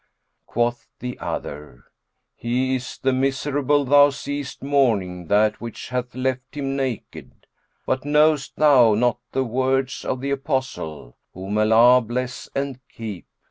Quoth the other, "He is the miserable thou seest mourning that which hath left him naked. But knowest thou not the words of the Apostle (whom Allah bless and keep!)